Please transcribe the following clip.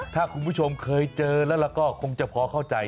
ถ้าคุณผู้ชมเคยเจอแล้วเราก็คงจะพอเข้าใจ